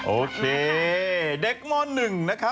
โอเคเด็กมณหนึ่งวิว